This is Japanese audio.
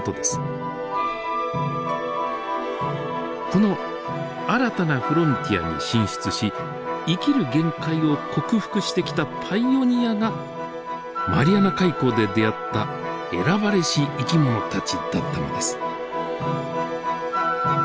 この新たなフロンティアに進出し生きる限界を克服してきたパイオニアがマリアナ海溝で出会った選ばれし生き物たちだったのです。